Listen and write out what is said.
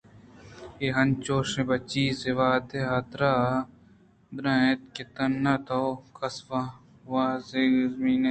اے انچوش پہ چیزے وہد ءِحاترا اِنت تاں کہ تو کسے ءِ وازّمندگ مہ بئے